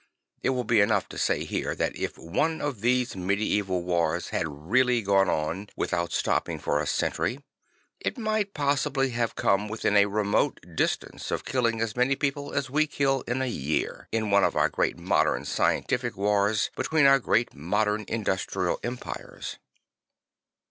It will be enough to say here that if one of these medieval wars had really gone on without stopping for a century, it might possibly have come within a remote distance of killing as many people as we kill in a year, in one of our great modem scientific wars between our great modern industrial empires.